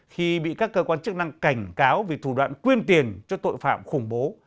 khi bị các cơ quan chức năng cảnh cáo vì thủ đoạn quyên tiền cho tội phạm khủng bố